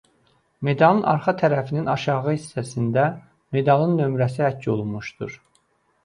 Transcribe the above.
Medalın arxa tərəfinin aşağı hissəsində medalın nömrəsi həkk olunmuşdur.